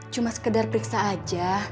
cuma sekedar periksa aja